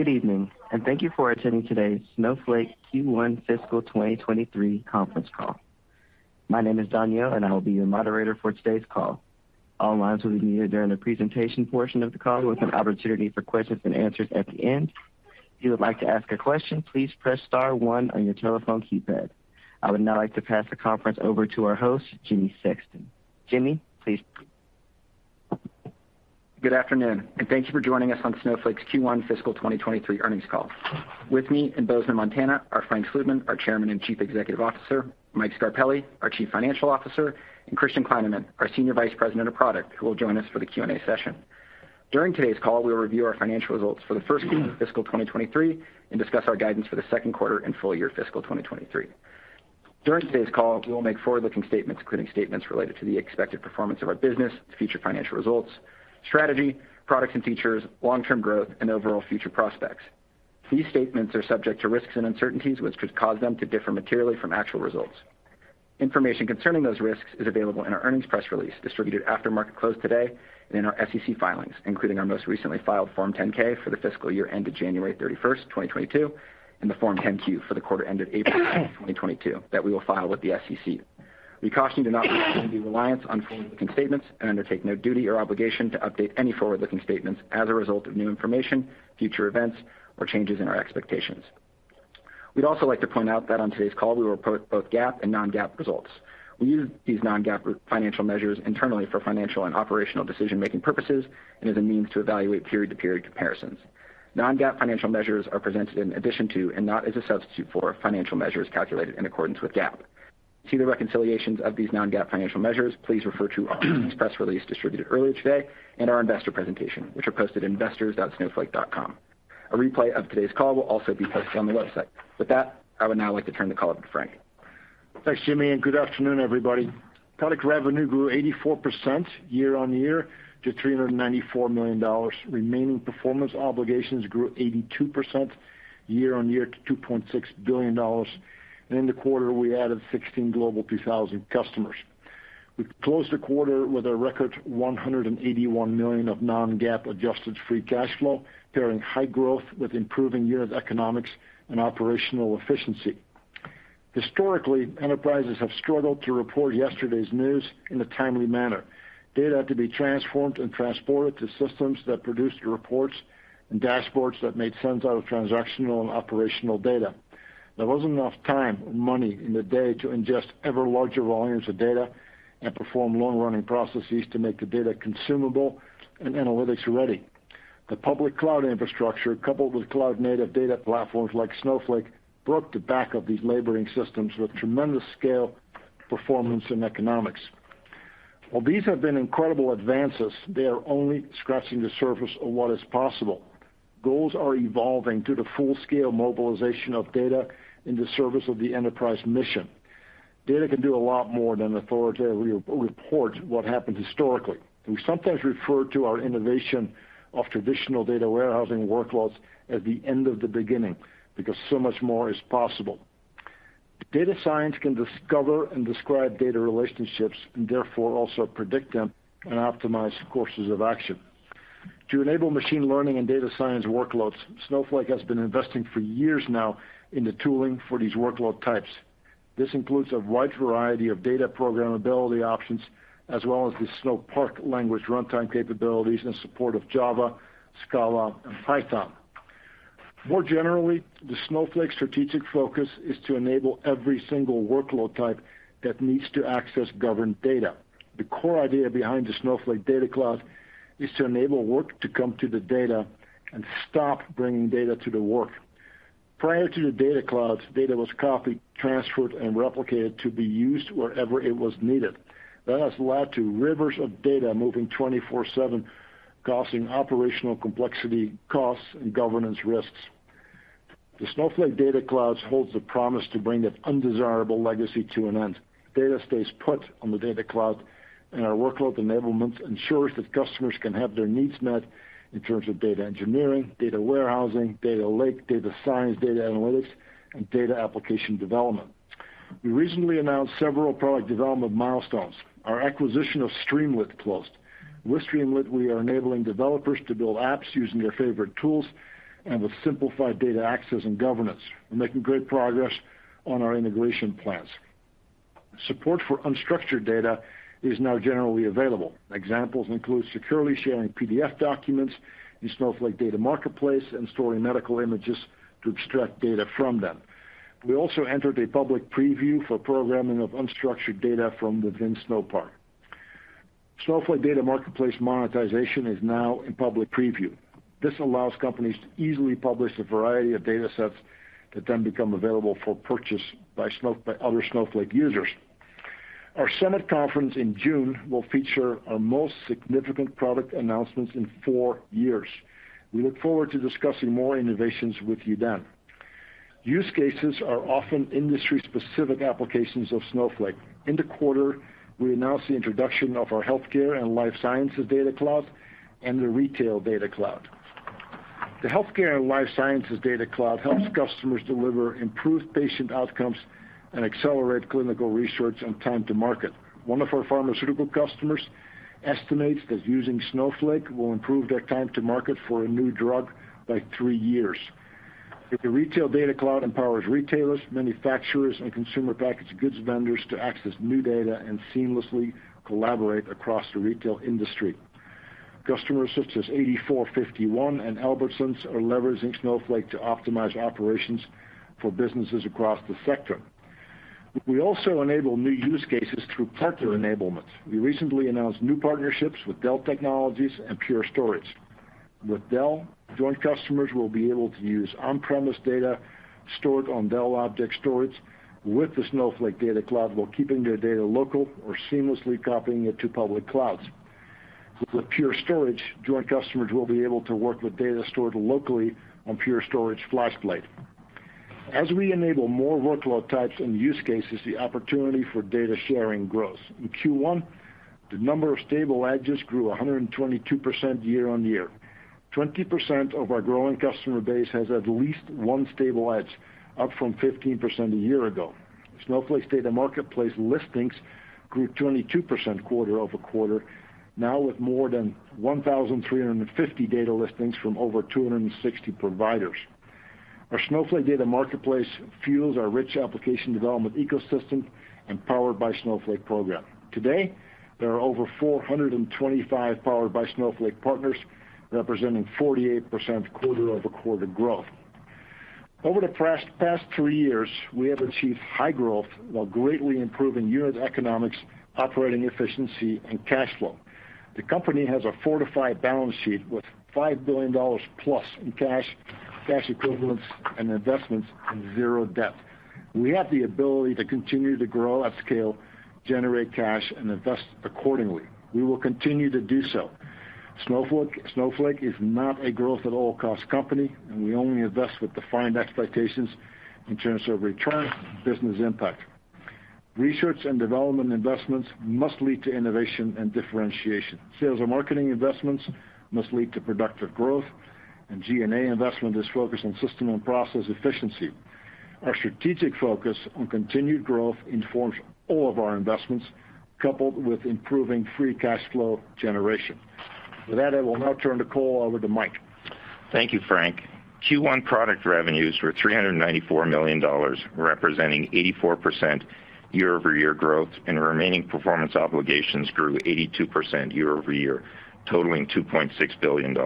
Good evening, and thank you for attending today's Snowflake Q1 Fiscal 2023 Conference Call. My name is Daniel, and I will be your moderator for today's call. All lines will be muted during the presentation portion of the call with an opportunity for questions and answers at the end. If you would like to ask a question, please press star one on your telephone keypad. I would now like to pass the conference over to our host, Jimmy Sexton. Jimmy, please. Good afternoon, and thank you for joining us on Snowflake's Q1 fiscal 2023 earnings call. With me in Bozeman, Montana, are Frank Slootman, our Chairman and Chief Executive Officer, Mike Scarpelli, our Chief Financial Officer, and Christian Kleinerman, our Senior Vice President of Product, who will join us for the Q&A session. During today's call, we will review our financial results for the first quarter of fiscal 2023 and discuss our guidance for the second quarter and full year fiscal 2023. During today's call, we will make forward-looking statements, including statements related to the expected performance of our business, future financial results, strategy, products and features, long-term growth, and overall future prospects. These statements are subject to risks and uncertainties, which could cause them to differ materially from actual results. Information concerning those risks is available in our earnings press release distributed after market close today and in our SEC filings, including our most recently filed Form 10-K for the fiscal year ended January 31st, 2022, and the Form 10-Q for the quarter ended April 9, 2022, that we will file with the SEC. We caution to not rely on forward-looking statements and undertake no duty or obligation to update any forward-looking statements as a result of new information, future events, or changes in our expectations. We'd also like to point out that on today's call, we will report both GAAP and non-GAAP results. We use these non-GAAP financial measures internally for financial and operational decision-making purposes and as a means to evaluate period-to-period comparisons. Non-GAAP financial measures are presented in addition to and not as a substitute for financial measures calculated in accordance with GAAP. To see the reconciliations of these non-GAAP financial measures, please refer to our press release distributed earlier today and our investor presentation, which are posted at investors.snowflake.com. A replay of today's call will also be posted on the website. With that, I would now like to turn the call over to Frank. Thanks, Jimmy, and good afternoon, everybody. Product revenue grew 84% year-on-year to $394 million. Remaining performance obligations grew 82% year-on-year to $2.6 billion. In the quarter, we added 16 Global 2000 customers. We closed the quarter with a record $181 million of non-GAAP adjusted free cash flow, pairing high growth with improving unit economics and operational efficiency. Historically, enterprises have struggled to report yesterday's news in a timely manner. Data had to be transformed and transported to systems that produced reports and dashboards that made sense out of transactional and operational data. There wasn't enough time or money in the day to ingest ever larger volumes of data and perform long-running processes to make the data consumable and analytics-ready. The public cloud infrastructure, coupled with cloud-native data platforms like Snowflake, broke the back of these laboring systems with tremendous scale, performance, and economics. While these have been incredible advances, they are only scratching the surface of what is possible. Goals are evolving to the full-scale mobilization of data in the service of the enterprise mission. Data can do a lot more than authoritatively report what happened historically. We sometimes refer to our innovation of traditional data warehousing workloads as the end of the beginning because so much more is possible. Data science can discover and describe data relationships and therefore also predict them and optimize courses of action. To enable machine learning and data science workloads, Snowflake has been investing for years now in the tooling for these workload types. This includes a wide variety of data programmability options as well as the Snowpark language runtime capabilities in support of Java, Scala, and Python. More generally, the Snowflake strategic focus is to enable every single workload type that needs to access governed data. The core idea behind the Snowflake Data Cloud is to enable work to come to the data and stop bringing data to the work. Prior to the Data Cloud, data was copied, transferred, and replicated to be used wherever it was needed. That has led to rivers of data moving 24/7, causing operational complexity costs and governance risks. The Snowflake Data Cloud holds the promise to bring that undesirable legacy to an end. Data stays put on the Data Cloud, and our workload enablement ensures that customers can have their needs met in terms of Data Engineering, Data Warehousing, Data Lake, Data Science, Data Analytics, and Data Application development. We recently announced several product development milestones. Our acquisition of Streamlit closed. With Streamlit, we are enabling developers to build apps using their favorite tools and with simplified data access and governance. We're making great progress on our integration plans. Support for unstructured data is now generally available. Examples include securely sharing PDF documents in Snowflake Data Marketplace and storing medical images to extract data from them. We also entered a public preview for programming of unstructured data from within Snowpark. Snowflake Data Marketplace monetization is now in public preview. This allows companies to easily publish a variety of datasets that then become available for purchase by other Snowflake users. Our Summit conference in June will feature our most significant product announcements in four years. We look forward to discussing more innovations with you then. Use cases are often industry-specific applications of Snowflake. In the quarter, we announced the introduction of our Healthcare & Life Sciences Data Cloud and the Retail Data Cloud. The Healthcare & Life Sciences Data Cloud helps customers deliver improved patient outcomes and accelerate clinical research and time to market. One of our pharmaceutical customers estimates that using Snowflake will improve their time to market for a new drug by three years. The Retail Data Cloud empowers retailers, manufacturers, and consumer packaged goods vendors to access new data and seamlessly collaborate across the retail industry. Customers such as 84.51° and Albertsons are leveraging Snowflake to optimize operations for businesses across the sector. We also enable new use cases through partner enablement. We recently announced new partnerships with Dell Technologies and Pure Storage. With Dell, joint customers will be able to use on-premise data stored on Dell object storage with the Snowflake Data Cloud, while keeping their data local or seamlessly copying it to public clouds. With Pure Storage, joint customers will be able to work with data stored locally on Pure Storage FlashBlade. As we enable more workload types and use cases, the opportunity for data sharing grows. In Q1, the number of stable edges grew 122% year-on-year. 20% of our growing customer base has at least one stable edge, up from 15% a year ago. Snowflake Data Marketplace listings grew 22% quarter-over-quarter, now with more than 1,350 data listings from over 260 providers. Our Snowflake Data Marketplace fuels our rich application development ecosystem and Powered by Snowflake program. Today, there are over 425 Powered by Snowflake partners, representing 48% quarter-over-quarter growth. Over the past three years, we have achieved high growth while greatly improving unit economics, operating efficiency, and cash flow. The company has a fortified balance sheet with $5 billion plus in cash equivalents, and investments, and 0 debt. We have the ability to continue to grow at scale, generate cash, and invest accordingly. We will continue to do so. Snowflake is not a growth-at-all-costs company, and we only invest with defined expectations in terms of return and business impact. Research and development investments must lead to innovation and differentiation. Sales and marketing investments must lead to productive growth, and G&A investment is focused on system and process efficiency. Our strategic focus on continued growth informs all of our investments, coupled with improving free cash flow generation. With that, I will now turn the call over to Mike. Thank you, Frank. Q1 product revenues were $394 million, representing 84% year-over-year growth, and remaining performance obligations grew 82% year-over-year, totaling $2.6 billion.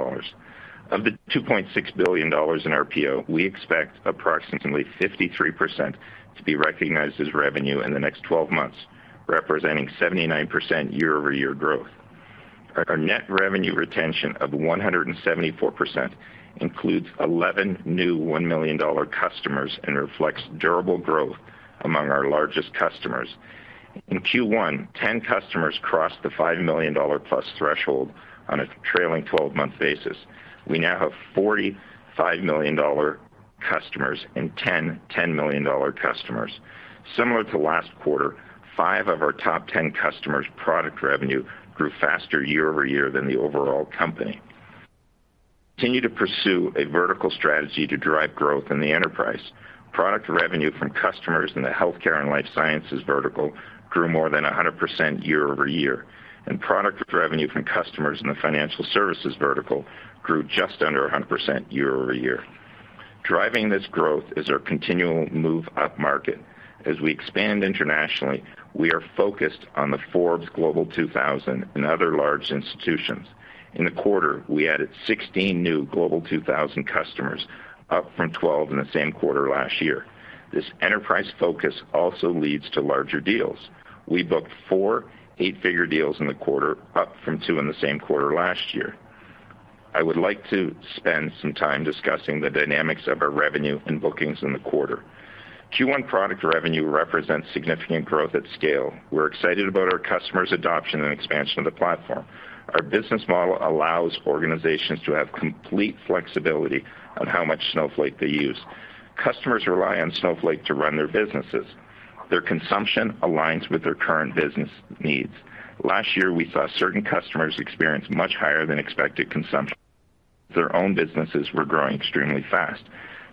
Of the $2.6 billion in RPO, we expect approximately 53% to be recognized as revenue in the next 12 months, representing 79% year-over-year growth. Our net revenue retention of 174% includes 11 new $1 million customers, and reflects durable growth among our largest customers. In Q1, 10 customers crossed the $5 million+ threshold on a trailing-12-month basis. We now have $45 million customers and $10 million customers. Similar to last quarter, 5 of our top 10 customers' product revenue grew faster year-over-year than the overall company. Continue to pursue a vertical strategy to drive growth in the enterprise. Product revenue from customers in the healthcare and life sciences vertical grew more than 100% year-over-year, and product revenue from customers in the financial services vertical grew just under 100% year-over-year. Driving this growth is our continual move upmarket. As we expand internationally, we are focused on the Forbes Global 2000 and other large institutions. In the quarter, we added 16 new Global 2000 customers, up from 12 in the same quarter last year. This enterprise focus also leads to larger deals. We booked four eight-figure deals in the quarter, up from two in the same quarter last year. I would like to spend some time discussing the dynamics of our revenue and bookings in the quarter. Q1 product revenue represents significant growth at scale. We're excited about our customers' adoption and expansion of the platform. Our business model allows organizations to have complete flexibility on how much Snowflake they use. Customers rely on Snowflake to run their businesses. Their consumption aligns with their current business needs. Last year, we saw certain customers experience much higher than expected consumption. Their own businesses were growing extremely fast.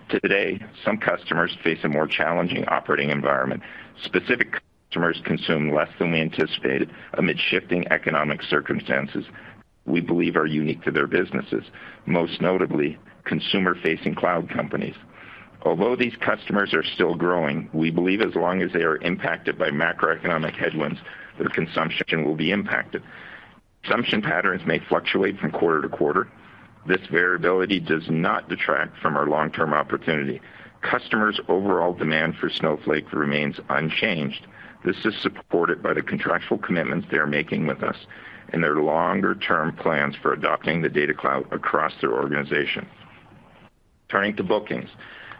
Today, some customers face a more challenging operating environment. Specific customers consumed less than we anticipated amid shifting economic circumstances we believe are unique to their businesses, most notably consumer-facing cloud companies. Although these customers are still growing, we believe as long as they are impacted by macroeconomic headwinds, their consumption will be impacted. Consumption patterns may fluctuate from quarter to quarter. This variability does not detract from our long-term opportunity. Customers' overall demand for Snowflake remains unchanged. This is supported by the contractual commitments they are making with us and their longer-term plans for adopting the Data Cloud across their organization. Turning to bookings.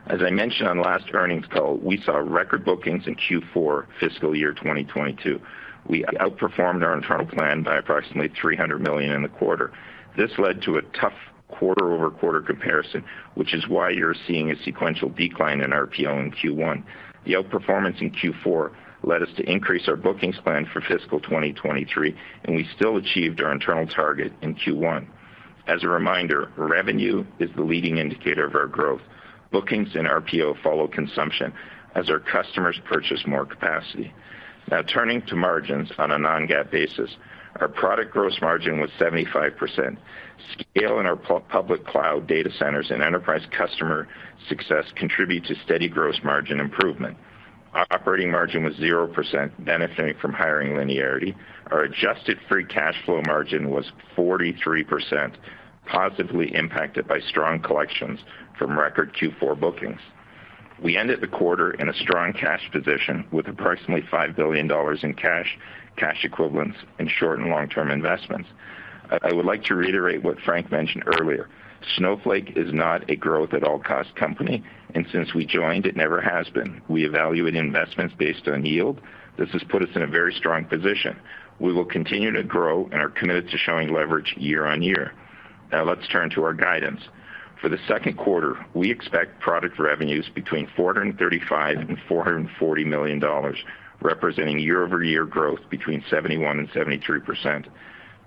As I mentioned on the last earnings call, we saw record bookings in Q4 fiscal year 2022. We outperformed our internal plan by approximately $300 million in the quarter. This led to a tough quarter-over-quarter comparison, which is why you're seeing a sequential decline in RPO in Q1. The outperformance in Q4 led us to increase our bookings plan for fiscal 2023, and we still achieved our internal target in Q1. As a reminder, revenue is the leading indicator of our growth. Bookings and RPO follow consumption as our customers purchase more capacity. Now turning to margins on a non-GAAP basis. Our product gross margin was 75%. Scaling in our public cloud data centers and enterprise customer success contribute to steady gross margin improvement. Our operating margin was 0%, benefiting from hiring linearity. Our adjusted free cash flow margin was 43%, positively impacted by strong collections from record Q4 bookings. We ended the quarter in a strong cash position with approximately $5 billion in cash equivalents, and short- and long-term investments. I would like to reiterate what Frank mentioned earlier. Snowflake is not a growth at all cost company, and since we joined, it never has been. We evaluate investments based on yield. This has put us in a very strong position. We will continue to grow and are committed to showing leverage year-on-year. Now let's turn to our guidance. For the second quarter, we expect product revenues between $435 million and $440 million, representing year-over-year growth between 71%-73%.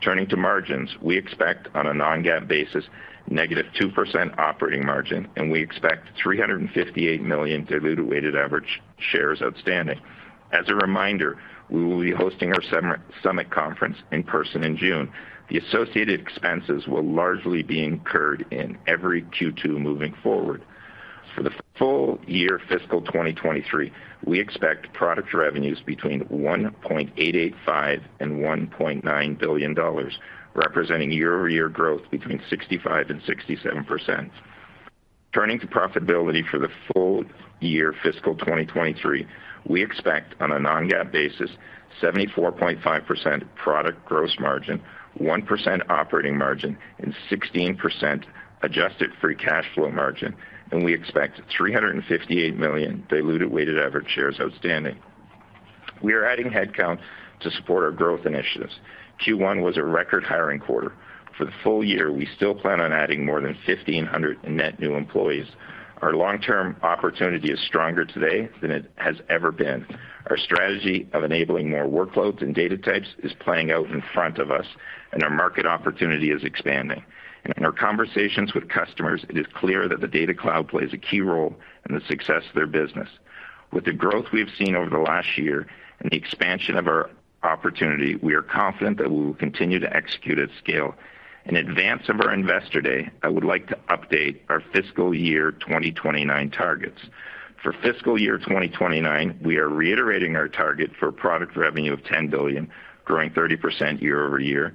Turning to margins, we expect on a non-GAAP basis negative 2% operating margin, and we expect 358 million diluted weighted average shares outstanding. As a reminder, we will be hosting our Snowflake Summit conference in person in June. The associated expenses will largely be incurred in every Q2 moving forward. For the full year fiscal 2023, we expect product revenues between $1.885 billion and $1.9 billion, representing year-over-year growth between 65%-67%. Turning to profitability for the full year fiscal 2023, we expect on a non-GAAP basis, 74.5% product gross margin, 1% operating margin, and 16% adjusted free cash flow margin, and we expect 358 million diluted weighted average shares outstanding. We are adding headcount to support our growth initiatives. Q1 was a record hiring quarter. For the full year, we still plan on adding more than 1,500 net new employees. Our long-term opportunity is stronger today than it has ever been. Our strategy of enabling more workloads and data types is playing out in front of us, and our market opportunity is expanding. In our conversations with customers, it is clear that the Data Cloud plays a key role in the success of their business. With the growth we've seen over the last year and the expansion of our opportunity, we are confident that we will continue to execute at scale. In advance of our Investor Day, I would like to update our fiscal year 2029 targets. For fiscal year 2029, we are reiterating our target for product revenue of $10 billion, growing 30% year-over-year.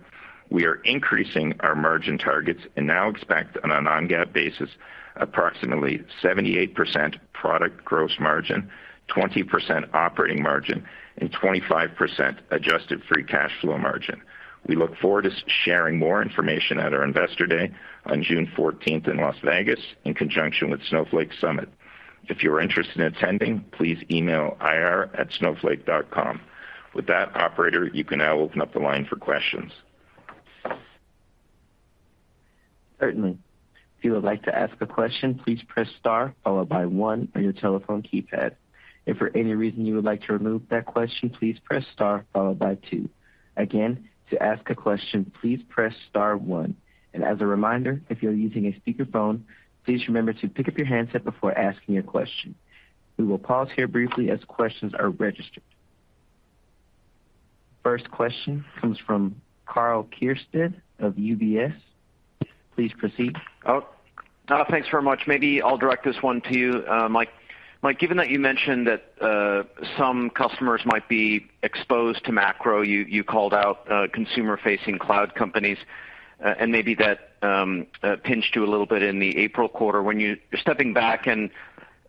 We are increasing our margin targets and now expect on a non-GAAP basis approximately 78% product gross margin, 20% operating margin, and 25% adjusted free cash flow margin. We look forward to sharing more information at our Investor Day on June 14 in Las Vegas in conjunction with Snowflake Summit. If you're interested in attending, please email ir@snowflake.com. With that, operator, you can now open up the line for questions. Certainly. If you would like to ask a question, please press star followed by one on your telephone keypad. If for any reason you would like to remove that question, please press star followed by two. Again, to ask a question, please press star one. As a reminder, if you're using a speakerphone, please remember to pick up your handset before asking your question. We will pause here briefly as questions are registered. First question comes from Karl Keirstead of UBS. Please proceed. Oh, thanks very much. Maybe I'll direct this one to you, Mike. Mike, given that you mentioned that some customers might be exposed to macro, you called out consumer-facing cloud companies, and maybe that pinched you a little bit in the April quarter. Stepping back and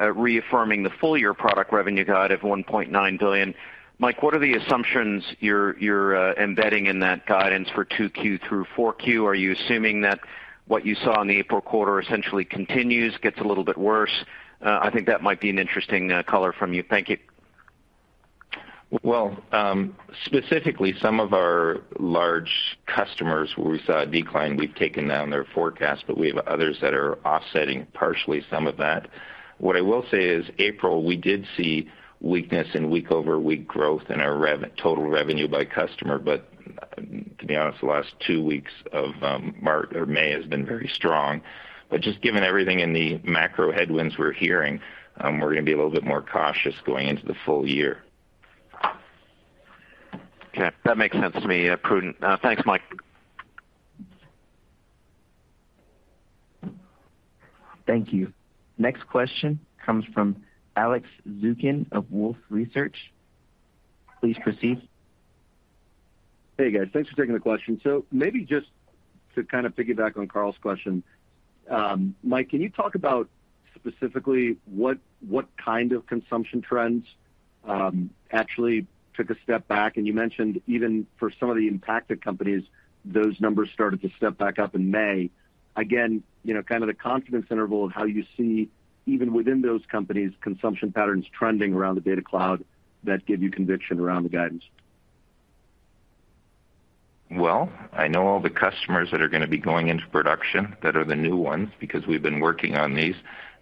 reaffirming the full year product revenue guide of $1.9 billion, Mike, what are the assumptions you're embedding in that guidance for 2Q through 4Q? Are you assuming that what you saw in the April quarter essentially continues, gets a little bit worse? I think that might be an interesting color from you. Thank you. Well, specifically some of our large customers we saw a decline. We've taken down their forecast, but we have others that are offsetting partially some of that. What I will say is, April, we did see weakness in week-over-week growth in our total revenue by customer. To be honest, the last two weeks of May has been very strong. Just given everything in the macro headwinds we're hearing, we're gonna be a little bit more cautious going into the full year. Okay. That makes sense to me. Yeah, prudent. Thanks, Mike. Thank you. Next question comes from Alex Zukin of Wolfe Research. Please proceed. Hey, guys. Thanks for taking the question. Maybe just to kind of piggyback on Karl's question, Mike, can you talk about specifically what kind of consumption trends actually took a step back? You mentioned even for some of the impacted companies, those numbers started to step back up in May. Again, you know, kind of the confidence interval of how you see even within those companies, consumption patterns trending around the Data Cloud that give you conviction around the guidance. Well, I know all the customers that are gonna be going into production that are the new ones, because we've been working on these.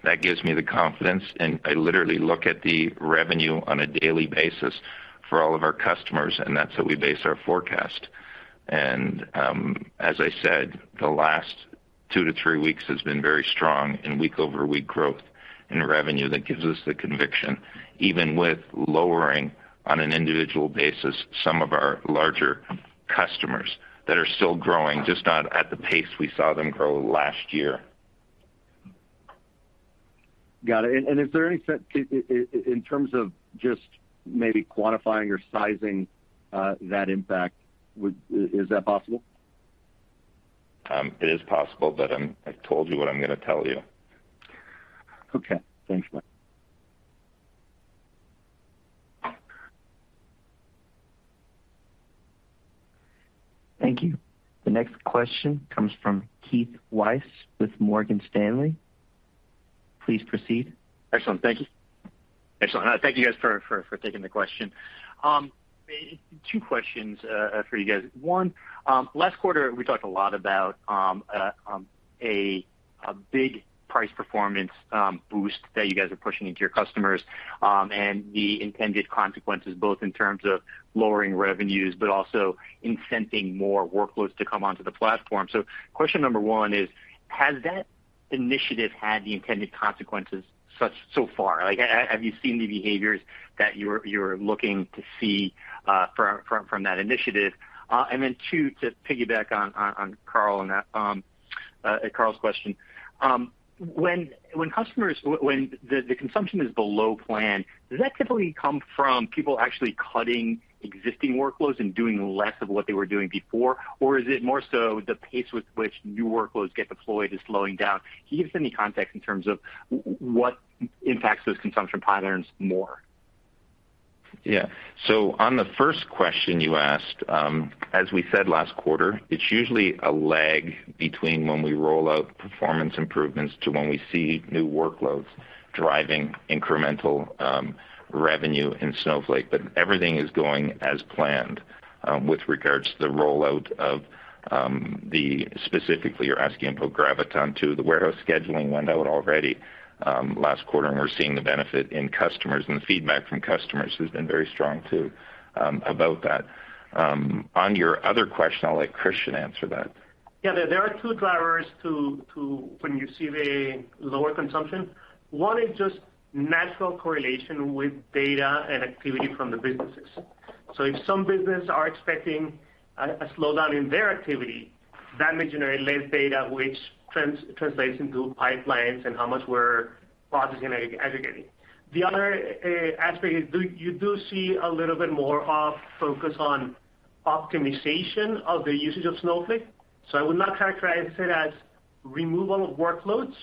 That gives me the confidence, and I literally look at the revenue on a daily basis for all of our customers, and that's how we base our forecast. As I said, the last two to three weeks has been very strong in week-over-week growth in revenue that gives us the conviction, even with lowering on an individual basis some of our larger customers that are still growing, just not at the pace we saw them grow last year. Got it. Is there any in terms of just maybe quantifying or sizing that impact, is that possible? It is possible, but I told you what I'm gonna tell you. Okay. Thanks, Mike. Thank you. The next question comes from Keith Weiss with Morgan Stanley. Please proceed. Excellent. Thank you. Excellent. Thank you guys for taking the question. Two questions for you guys. One, last quarter, we talked a lot about a big price performance boost that you guys are pushing into your customers and the intended consequences, both in terms of lowering revenues, but also incenting more workloads to come onto the platform. Question number one is, has that initiative had the intended consequences so far? Like, have you seen the behaviors that you're looking to see from that initiative? And then two, to piggyback on Karl's question, when the consumption is below plan, does that typically come from people actually cutting existing workloads and doing less of what they were doing before? Is it more so the pace with which new workloads get deployed is slowing down? Can you give us any context in terms of what impacts those consumption patterns more? Yeah. On the first question you asked, as we said last quarter, it's usually a lag between when we roll out performance improvements to when we see new workloads driving incremental revenue in Snowflake. Everything is going as planned with regards to the rollout. Specifically, you're asking about Graviton2, the warehouse scheduling went out already last quarter, and we're seeing the benefit in customers, and the feedback from customers has been very strong, too, about that. On your other question, I'll let Christian answer that. Yeah. There are two drivers to when you see the lower consumption. One is just natural correlation with data and activity from the businesses. If some business are expecting a slowdown in their activity, that may generate less data, which translates into pipelines and how much we're processing and aggregating. The other aspect is you do see a little bit more of focus on optimization of the usage of Snowflake. I would not characterize it as removal of workloads.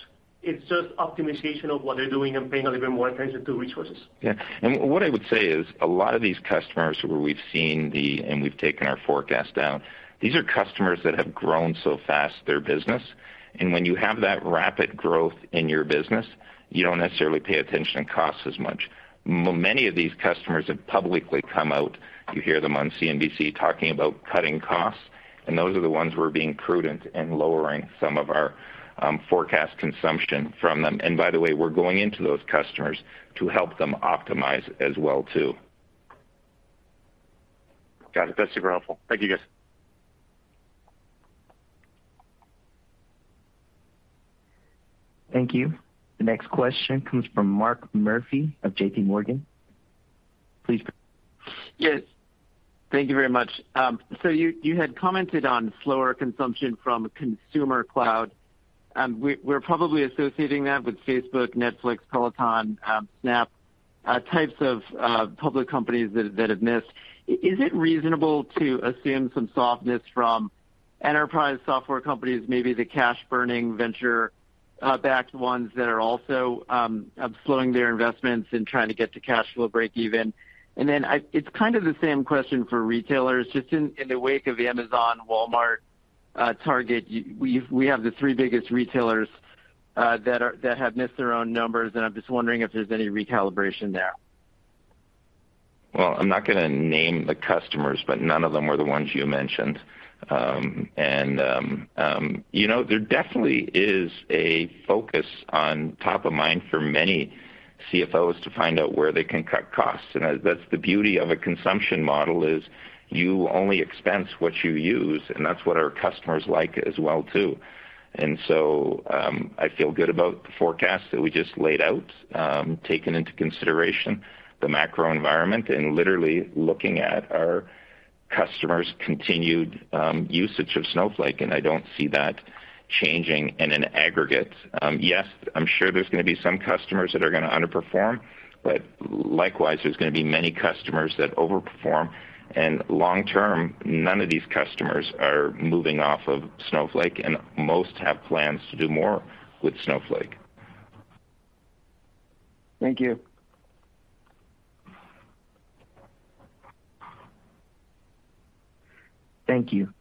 It's just optimization of what they're doing and paying a little bit more attention to resources. Yeah. What I would say is, a lot of these customers where we've seen and we've taken our forecast down, these are customers that have grown so fast their business. When you have that rapid growth in your business, you don't necessarily pay attention to costs as much. Many of these customers have publicly come out, you hear them on CNBC talking about cutting costs, and those are the ones who are being prudent in lowering some of our forecast consumption from them. By the way, we're going into those customers to help them optimize as well, too. Got it. That's super helpful. Thank you, guys. Thank you. The next question comes from Mark Murphy of J.P. Morgan. Yes. Thank you very much. So you had commented on slower consumption from consumer cloud. We're probably associating that with Facebook, Netflix, Peloton and Snap, types of public companies that have missed. Is it reasonable to assume some softness from enterprise software companies, maybe the cash burning, venture backed ones that are also slowing their investments and trying to get to cash flow breakeven? It's kind of the same question for retailers. Just in the wake of Amazon, Walmart, Target, we have the three biggest retailers that have missed their own numbers, and I'm just wondering if there's any recalibration there. Well, I'm not gonna name the customers, but none of them were the ones you mentioned. You know, there definitely is a focus on top of mind for many CFOs to find out where they can cut costs. That's the beauty of a consumption model, is you only expense what you use, and that's what our customers like as well too. I feel good about the forecast that we just laid out, taking into consideration the macro environment and literally looking at our customers' continued usage of Snowflake, and I don't see that changing in an aggregate. Yes, I'm sure there's gonna be some customers that are gonna underperform, but likewise, there's gonna be many customers that overperform. Long term, none of these customers are moving off of Snowflake, and most have plans to do more with Snowflake. Thank you. Thank you.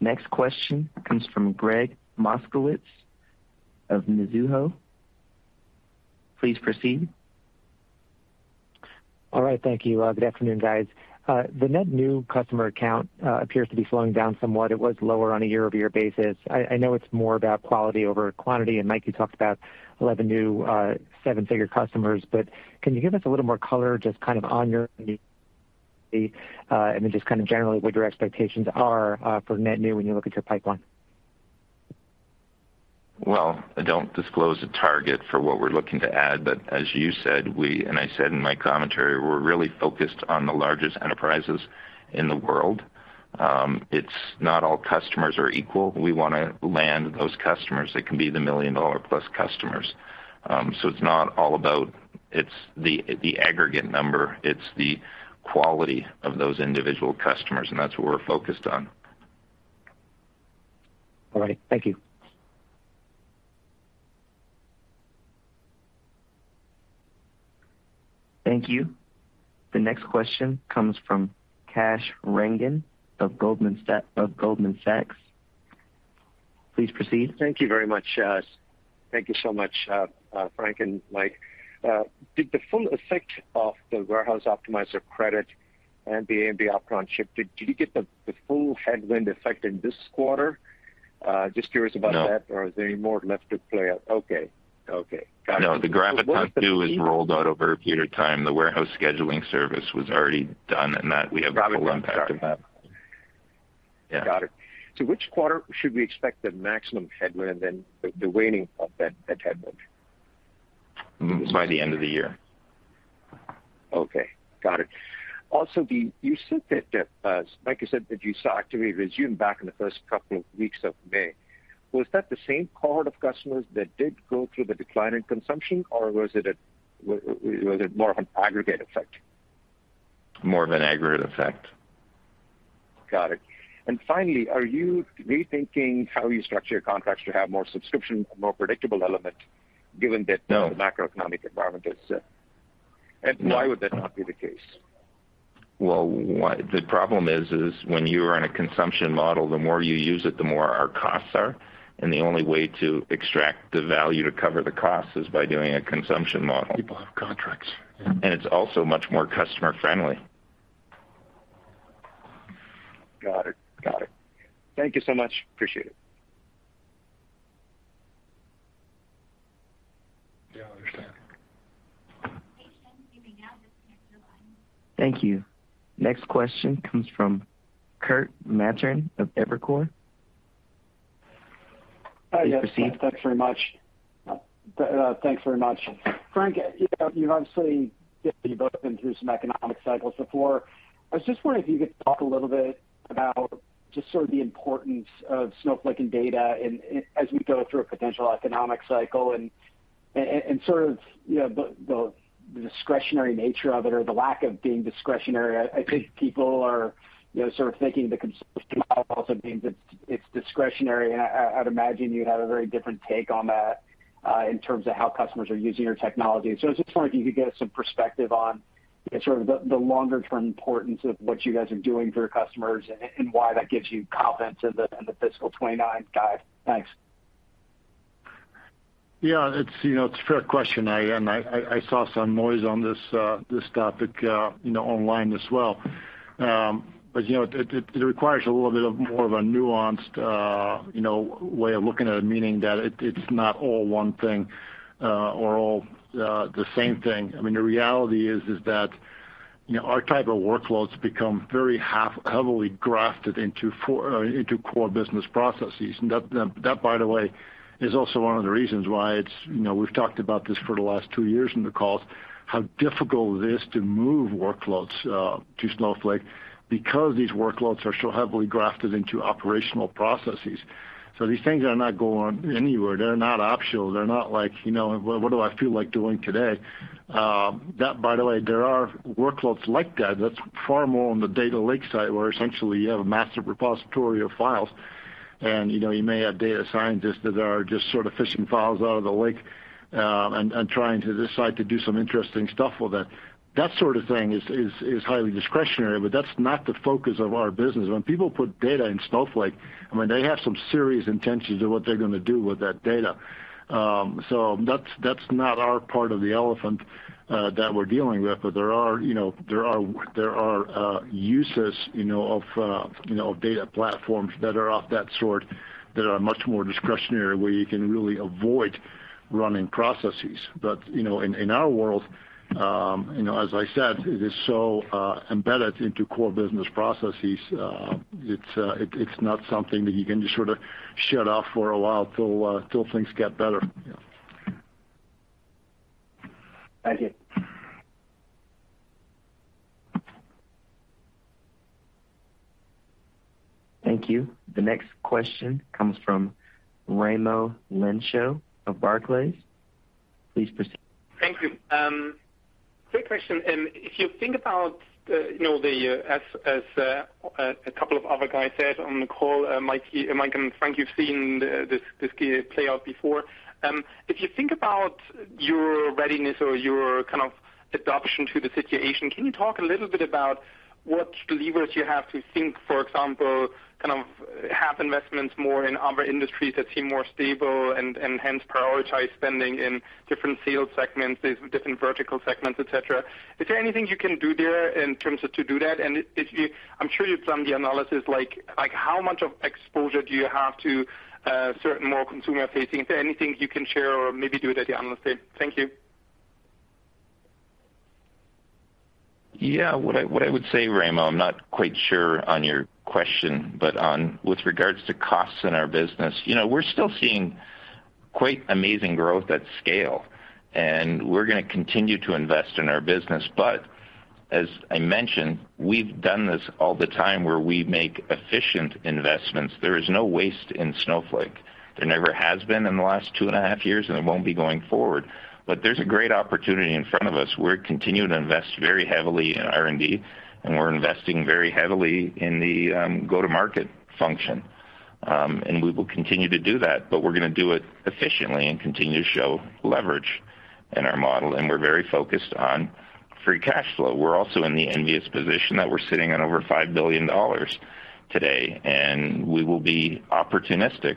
Next question comes from Gregg Moskowitz of Mizuho. Please proceed. All right. Thank you. Good afternoon, guys. The net new customer count appears to be slowing down somewhat. It was lower on a year-over-year basis. I know it's more about quality over quantity, and Mike, you talked about 11 new seven-figure customers, but can you give us a little more color just kind of on your end, and then just kind of generally what your expectations are for net new when you look at your pipeline? Well, I don't disclose a target for what we're looking to add, but as you said, and I said in my commentary, we're really focused on the largest enterprises in the world. It's not all customers are equal. We wanna land those customers that can be the million-dollar-plus customers. So it's not all about it. It's the aggregate number. It's the quality of those individual customers, and that's what we're focused on. All right. Thank you. Thank you. The next question comes from Kash Rangan of Goldman Sachs. Please proceed. Thank you very much. Thank you so much, Frank and Mike. Did you get the full headwind effect of the warehouse optimizer credit and the ARM Ampere ship in this quarter? Just curious about that. No. Is there any more left to play out? Okay. Okay. Got it. No, the graph is rolled out over a period of time. The warehouse scheduling service was already done, and that we have a full impact on that. Got it. Yeah. Got it. Which quarter should we expect the maximum headwind then the waning of that headwind? By the end of the year. Okay. Got it. Also, you said that, Mike, you said that you saw activity resume back in the first couple of weeks of May. Was that the same cohort of customers that did go through the decline in consumption, or was it more of an aggregate effect? More of an aggregate effect. Got it. Finally, are you rethinking how you structure your contracts to have more subscription, a more predictable element given that? No. The macroeconomic environment is. Why would that not be the case? Well, what the problem is when you are in a consumption model, the more you use it, the more our costs are. The only way to extract the value to cover the cost is by doing a consumption model. People have contracts. Yeah. It's also much more customer friendly. Got it. Thank you so much. Appreciate it. Yeah, I understand. Thank you. Next question comes from Kirk Materne of Evercore. Please proceed. Yes. Thanks very much. Frank, you know, you've obviously both been through some economic cycles before. I was just wondering if you could talk a little bit about just sort of the importance of Snowflake and data in as we go through a potential economic cycle and sort of you know the discretionary nature of it or the lack of being discretionary. I think people are you know sort of thinking the consumption model also means it's discretionary. I'd imagine you'd have a very different take on that in terms of how customers are using your technology. I was just wondering if you could give us some perspective on sort of the longer term importance of what you guys are doing for your customers and why that gives you confidence in the fiscal 2029 guide. Thanks. Yeah, it's a fair question. I saw some noise on this topic, you know, online as well. It requires a little bit more of a nuanced way of looking at it, meaning that it's not all one thing or all the same thing. I mean, the reality is that our type of workloads become very heavily grafted into core business processes. That by the way is also one of the reasons why, you know, we've talked about this for the last two years in the calls, how difficult it is to move workloads to Snowflake because these workloads are so heavily grafted into operational processes. These things are not going anywhere. They're not optional. They're not like, you know, "Well, what do I feel like doing today?" That by the way, there are workloads like that that's far more on the data lake side, where essentially you have a massive repository of files. You know, you may have data scientists that are just sort of fishing files out of the lake, and trying to decide to do some interesting stuff with it. That sort of thing is highly discretionary, but that's not the focus of our business. When people put data in Snowflake, I mean, they have some serious intentions of what they're gonna do with that data. That's not our part of the elephant that we're dealing with. There are, you know, uses, you know, of, you know, data platforms that are of that sort that are much more discretionary, where you can really avoid running processes. You know, in our world, you know, as I said, it is so embedded into core business processes. It's not something that you can just sort of shut off for a while till things get better. Thank you. Thank you. The next question comes from Raimo Lenschow of Barclays. Please proceed. Thank you. Quick question. If you think about, you know, as a couple of other guys said on the call, Mike and Frank, you've seen this play out before. If you think about your readiness or your kind of adaptation to the situation, can you talk a little bit about what levers you have to think, for example, kind of have investments more in other industries that seem more stable and hence prioritize spending in different vertical segments, these different vertical segments, et cetera? Is there anything you can do there in terms of to do that? I'm sure you've done the analysis like how much of exposure do you have to certain more consumer-facing? Is there anything you can share or maybe do it at the end of the day? Thank you. Yeah. What I would say, Raimo, I'm not quite sure on your question, but, with regards to costs in our business. You know, we're still seeing quite amazing growth at scale, and we're gonna continue to invest in our business. As I mentioned, we've done this all the time where we make efficient investments. There is no waste in Snowflake. There never has been in the last two and half years, and there won't be going forward. There's a great opportunity in front of us. We're continuing to invest very heavily in R&D, and we're investing very heavily in the go-to-market function. We will continue to do that, but we're gonna do it efficiently and continue to show leverage in our model, and we're very focused on free cash flow. We're also in the envious position that we're sitting on over $5 billion today, and we will be opportunistic,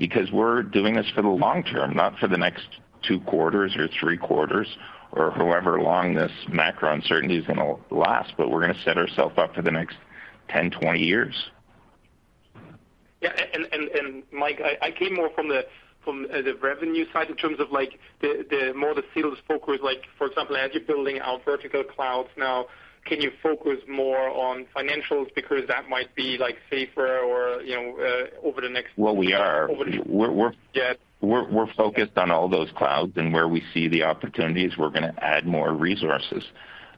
because we're doing this for the long term, not for the next two quarters or three quarters or however long this macro uncertainty is gonna last. We're gonna set ourselves up for the next 10, 20 years. Yeah, Mike, I came more from the revenue side in terms of like the sales focus like for example as you're building out vertical clouds now. Can you focus more on financials because that might be like safer or you know over the next Well, we are. Yes. We're focused on all those clouds. Where we see the opportunities, we're gonna add more resources.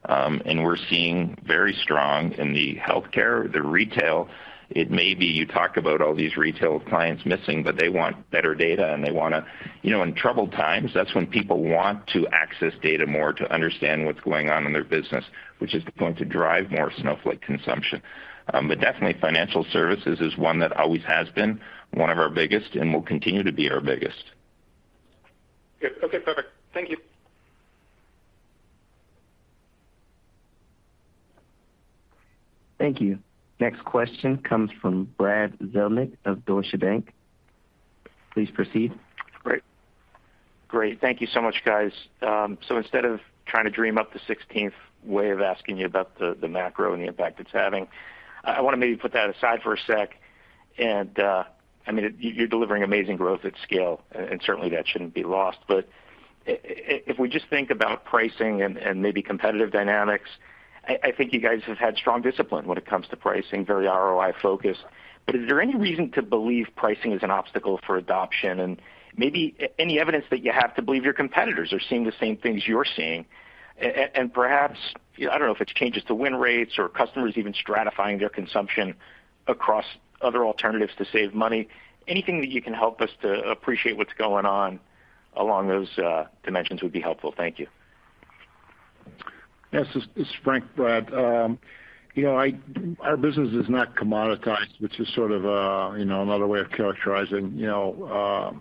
We're seeing very strong in the healthcare, the retail. It may be you talk about all these retail clients missing, but they want better data, and they wanna. You know, in troubled times, that's when people want to access data more to understand what's going on in their business, which is going to drive more Snowflake consumption. Definitely financial services is one that always has been one of our biggest and will continue to be our biggest. Okay, perfect. Thank you. Thank you. Next question comes from Brad Zelnick of Deutsche Bank. Please proceed. Great. Thank you so much, guys. So instead of trying to dream up the sixteenth way of asking you about the macro and the impact it's having, I wanna maybe put that aside for a sec. I mean, you're delivering amazing growth at scale, and certainly that shouldn't be lost. If we just think about pricing and maybe competitive dynamics, I think you guys have had strong discipline when it comes to pricing, very ROI-focused. Is there any reason to believe pricing is an obstacle for adoption? Maybe any evidence that you have to believe your competitors are seeing the same things you're seeing. Perhaps, you know, I don't know if it's changes to win rates or customers even stratifying their consumption across other alternatives to save money. Anything that you can help us to appreciate what's going on along those dimensions would be helpful. Thank you. Yes. This is Frank, Brad. Our business is not commoditized, which is sort of a, you know, another way of characterizing, you know,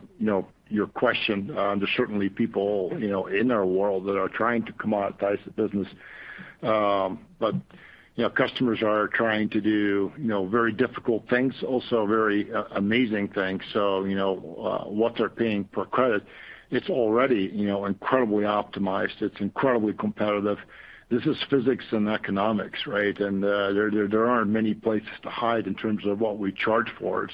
your question. There's certainly people, you know, in our world that are trying to commoditize the business. Customers are trying to do, you know, very difficult things, also very amazing things. You know, what they're paying per credit, it's already, you know, incredibly optimized. It's incredibly competitive. This is physics and economics, right? There aren't many places to hide in terms of what we charge for it.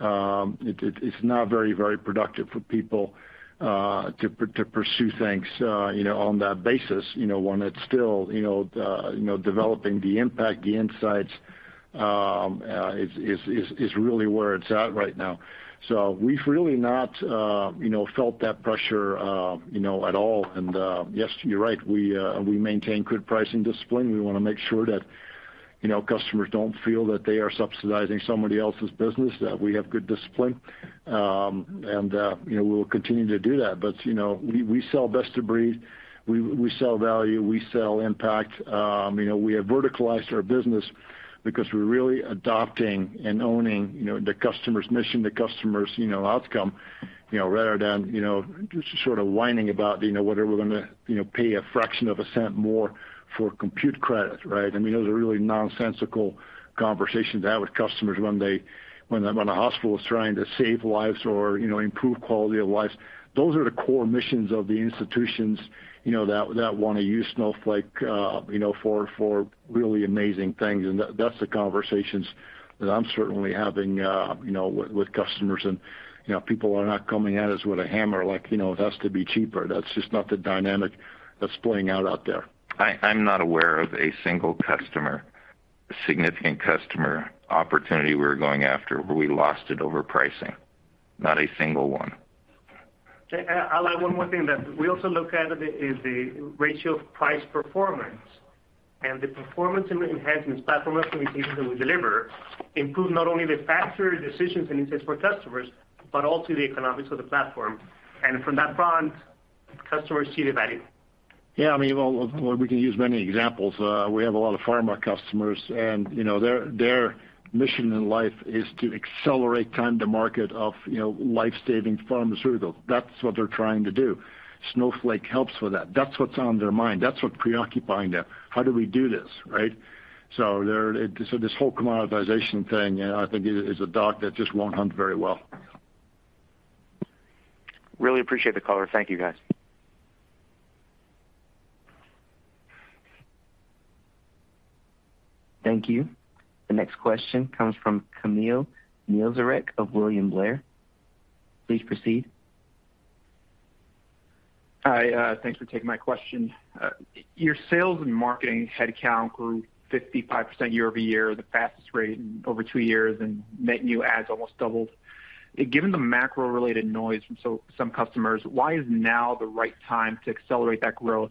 It's not very productive for people to pursue things, you know, on that basis, you know, when it's still, you know, developing the impact, the insights is really where it's at right now. We've really not, you know, felt that pressure, you know, at all. Yes, you're right. We maintain good pricing discipline. We wanna make sure that, you know, customers don't feel that they are subsidizing somebody else's business. That we have good discipline, and, you know, we will continue to do that. You know, we sell best of breed, we sell value, we sell impact. You know, we have verticalized our business because we're really adopting and owning, you know, the customer's mission, the customer's, you know, outcome, you know, rather than, you know, just sort of whining about, you know, whether we're gonna, you know, pay a fraction of a cent more for compute credit, right? I mean, those are really nonsensical conversations to have with customers when a hospital is trying to save lives or, you know, improve quality of lives. Those are the core missions of the institutions, you know, that wanna use Snowflake, you know, for really amazing things. That's the conversations that I'm certainly having, you know, with customers. You know, people are not coming at us with a hammer like, you know, it has to be cheaper. That's just not the dynamic that's playing out there. I'm not aware of a single customer, significant customer opportunity we're going after where we lost it over pricing. Not a single one. I'll add one more thing that we also look at is the ratio of price performance. The performance enhancements, platform implementations that we deliver improve not only the faster decisions and insights for customers, but also the economics of the platform. From that front, customers see the value. Yeah, I mean, well, we can use many examples. We have a lot of pharma customers, and, you know, their mission in life is to accelerate time to market of, you know, life-saving pharmaceuticals. That's what they're trying to do. Snowflake helps with that. That's what's on their mind. That's what's preoccupying them. How do we do this, right? This whole commoditization thing, I think, is a dog that just won't hunt very well. Really appreciate the color. Thank you, guys. Thank you. The next question comes from Kamil Mielczarek of William Blair. Please proceed. Hi, thanks for taking my question. Your sales and marketing headcount grew 55% year-over-year, the fastest rate in over two years, and net new adds almost doubled. Given the macro-related noise from some customers, why is now the right time to accelerate that growth?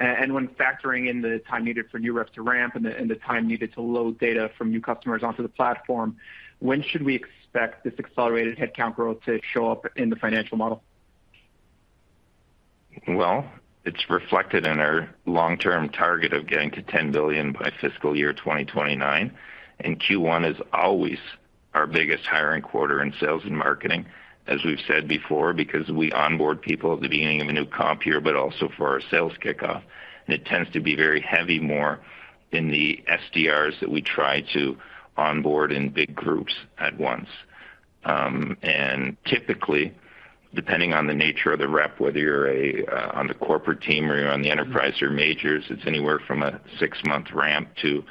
And when factoring in the time needed for new reps to ramp and the time needed to load data from new customers onto the platform, when should we expect this accelerated headcount growth to show up in the financial model? Well, it's reflected in our long-term target of getting to $10 billion by fiscal year 2029, and Q1 is always our biggest hiring quarter in sales and marketing, as we've said before, because we onboard people at the beginning of a new comp year, but also for our sales kickoff. It tends to be very heavy more in the SDRs that we try to onboard in big groups at once. Typically, depending on the nature of the rep, whether you're a on the corporate team or you're on the enterprise or majors, it's anywhere from a six-month ramp to,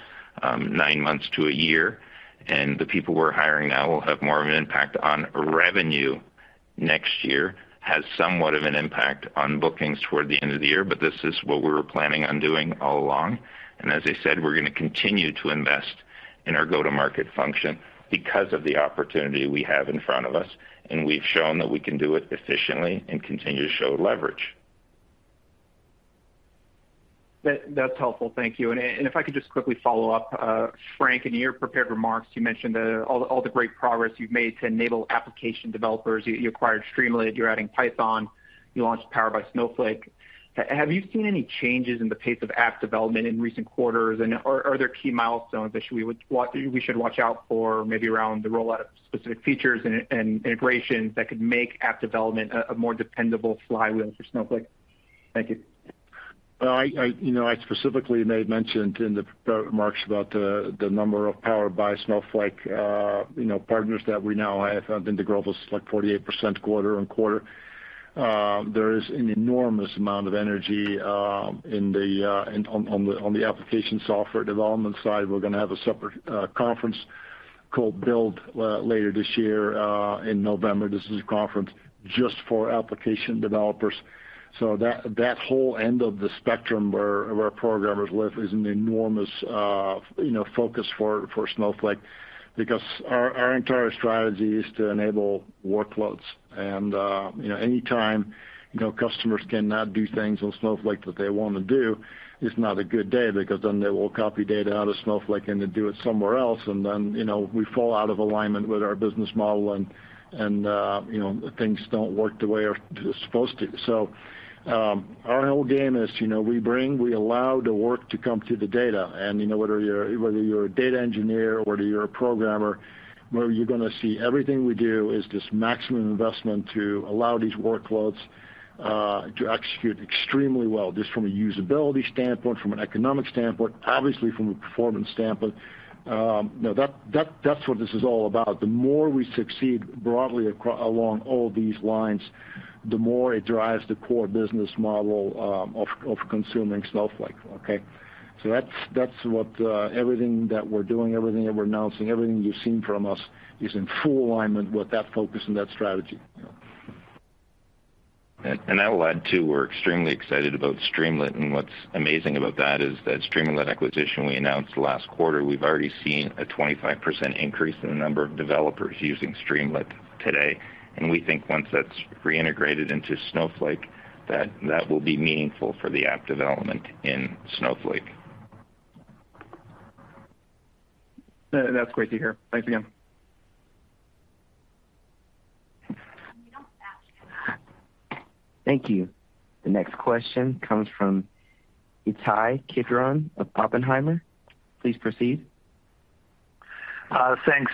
nine months to a year. The people we're hiring now will have more of an impact on revenue next year. Has somewhat of an impact on bookings toward the end of the year, but this is what we were planning on doing all along. As I said, we're gonna continue to invest in our go-to-market function because of the opportunity we have in front of us, and we've shown that we can do it efficiently and continue to show leverage. That's helpful. Thank you. If I could just quickly follow up. Frank, in your prepared remarks, you mentioned all the great progress you've made to enable application developers. You acquired Streamlit. You're adding Python. You launched Powered by Snowflake. Have you seen any changes in the pace of app development in recent quarters? Are there key milestones that we should watch out for maybe around the rollout of specific features and integrations that could make app development a more dependable flywheel for Snowflake? Thank you. Well, you know, I specifically made mention to in the pre-remarks about the number of Powered by Snowflake, you know, partners that we now have. I think the growth was like 48% quarter-over-quarter. There is an enormous amount of energy in the application software development side. We're gonna have a separate conference called Build later this year in November. This is a conference just for application developers. That whole end of the spectrum where programmers live is an enormous, you know, focus for Snowflake because our entire strategy is to enable workloads. Anytime, you know, customers cannot do things on Snowflake that they wanna do, it's not a good day because then they will copy data out of Snowflake and then do it somewhere else. You know, we fall out of alignment with our business model, and you know, things don't work the way they're supposed to. Our whole game is, you know, we bring, we allow the work to come to the data. You know, whether you're a data engineer or whether you're a programmer, well, you're gonna see everything we do is just maximum investment to allow these workloads to execute extremely well, just from a usability standpoint, from an economic standpoint, obviously from a performance standpoint. You know, that's what this is all about. The more we succeed broadly along all these lines, the more it drives the core business model, of consuming Snowflake, okay? That's what everything that we're doing, everything that we're announcing, everything you've seen from us is in full alignment with that focus and that strategy. I will add too, we're extremely excited about Streamlit. What's amazing about that is that Streamlit acquisition we announced last quarter, we've already seen a 25% increase in the number of developers using Streamlit today. We think once that's reintegrated into Snowflake, that will be meaningful for the app development in Snowflake. That's great to hear. Thanks again. Thank you. The next question comes from Ittai Kidron of Oppenheimer. Please proceed. Thanks.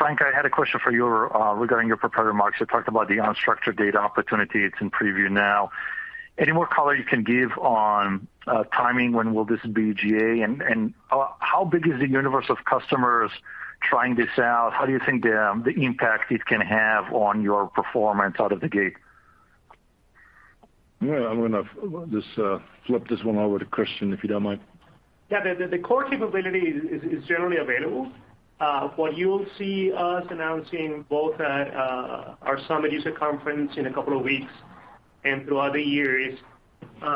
Frank, I had a question for you regarding your prepared remarks. You talked about the unstructured data opportunity. It's in preview now. Any more color you can give on timing? When will this be GA? And how big is the universe of customers trying this out? How do you think the impact it can have on your performance out of the gate? Yeah. I'm gonna just flip this one over to Christian, if you don't mind. Yeah. The core capability is generally available. What you'll see us announcing both at our Summit user conference in a couple of weeks and throughout the year is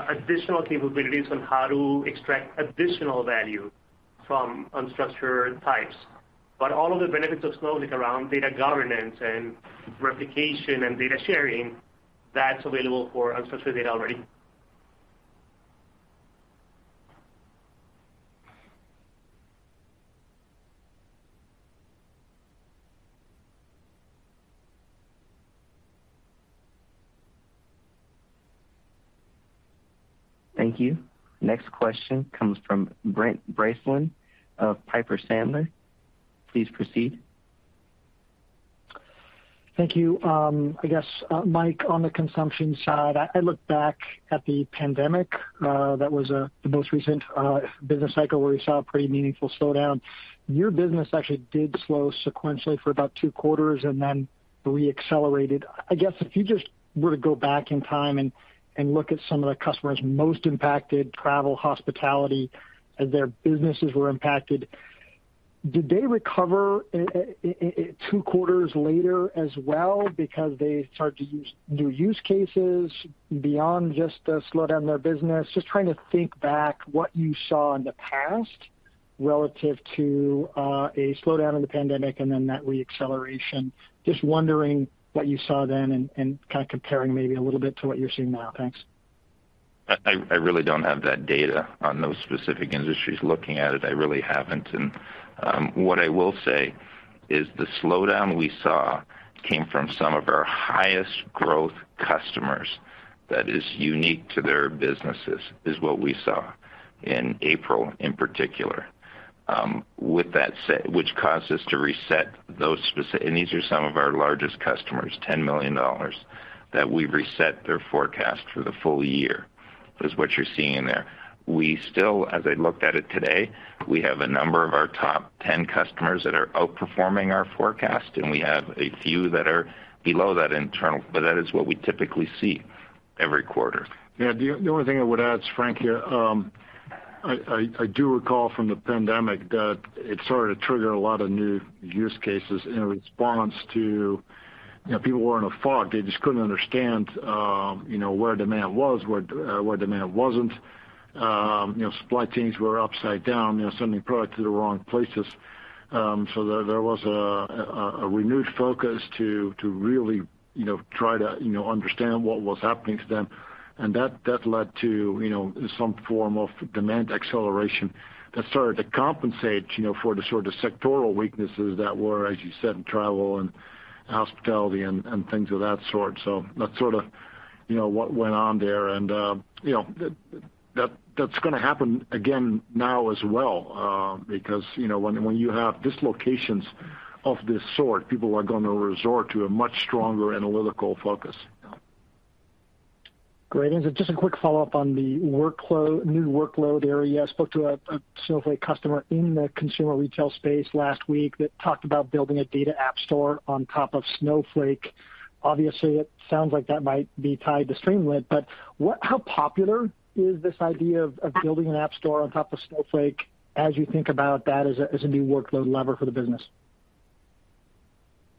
additional capabilities on how to extract additional value from unstructured types. All of the benefits of Snowflake around data governance and replication and data sharing, that's available for unstructured data already. Thank you. Next question comes from Brent Bracelin of Piper Sandler. Please proceed. Thank you. I guess, Mike, on the consumption side, I look back at the pandemic, that was the most recent business cycle where we saw a pretty meaningful slowdown. Your business actually did slow sequentially for about two quarters and then re-accelerated. I guess if you just were to go back in time and look at some of the customers most impacted, travel, hospitality, as their businesses were impacted. Did they recover two quarters later as well because they started to use new use cases beyond just the slowdown in their business? Just trying to think back what you saw in the past relative to a slowdown in the pandemic and then that re-acceleration. Just wondering what you saw then and kind of comparing maybe a little bit to what you're seeing now. Thanks. I really don't have that data on those specific industries. Looking at it, I really haven't. What I will say is the slowdown we saw came from some of our highest growth customers that is unique to their businesses, is what we saw in April in particular. With that, which caused us to reset those. These are some of our largest customers, $10 million, that we've reset their forecast for the full year, is what you're seeing there. We still, as I looked at it today, we have a number of our top 10 customers that are outperforming our forecast, and we have a few that are below that internal. That is what we typically see every quarter. Yeah. The only thing I would add, it's Frank here. I do recall from the pandemic that it started to trigger a lot of new use cases in response to, you know, people were in a fog. They just couldn't understand, you know, where demand was, where demand wasn't. You know, supply chains were upside down, you know, sending product to the wrong places. There was a renewed focus to really, you know, try to, you know, understand what was happening to them. That led to, you know, some form of demand acceleration that started to compensate, you know, for the sort of sectoral weaknesses that were, as you said, in travel and hospitality and things of that sort. That's sort of, you know, what went on there. You know, that's gonna happen again now as well, because you know, when you have dislocations of this sort, people are gonna resort to a much stronger analytical focus. Great. Just a quick follow-up on the workload, new workload area. I spoke to a Snowflake customer in the consumer retail space last week that talked about building a data app store on top of Snowflake. Obviously, it sounds like that might be tied to Streamlit, but how popular is this idea of building an app store on top of Snowflake as you think about that as a new workload lever for the business?